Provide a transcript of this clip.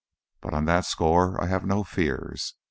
But on that score I have no fears.